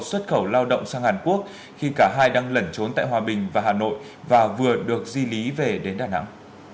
xuất khẩu lao động sang hàn quốc khi cả hai đang lẩn trốn tại hòa bình và hà nội và vừa được di lý về đến đà nẵng